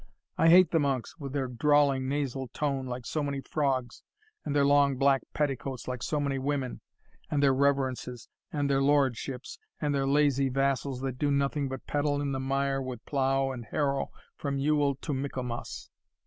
I hate the monks, with their drawling nasal tone like so many frogs, and their long black petticoats like so many women, and their reverences, and their lordships, and their lazy vassals that do nothing but peddle in the mire with plough and harrow from Yule to Michaelmas.